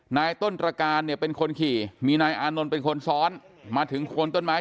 นายต้นตรการเนี่ยเป็นคนขี่มีนายอานนท์เป็นคนซ้อนมาถึงโคนต้นไม้